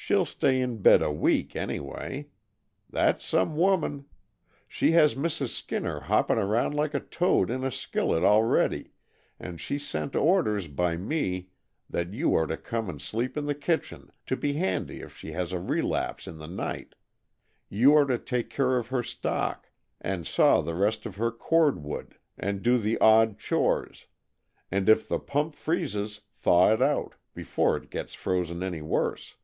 "She'll stay in bed a week, anyway. That's some woman. She has Mrs. Skinner hopping around like a toad in a skillet already, and she sent orders by me that you are to come and sleep in the kitchen, to be handy if she has a relapse in the night. You are to take care of her stock, and saw the rest of her cord wood, and do the odd chores, and if the pump freezes thaw it out, before it gets frozen any worse."